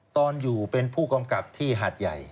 ตอนอยู่เป็นผู้กำกับที่หาดใหญ่